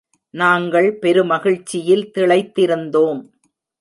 நாங்கள் பெருமகிழ்ச்சியில் திளைத்திருந்தோம்.